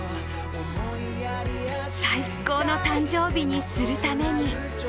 最高の誕生日にするために。